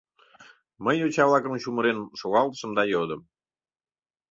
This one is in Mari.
Мый йоча-влакым чумырен шогалтышым да йодым: